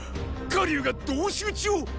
火龍が同士討ちを⁉